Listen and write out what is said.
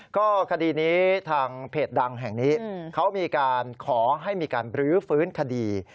ก็คดีนี้ทางเพจดังแห่งนี้เขามีการขอให้มีการบรื้อฟื้นคดี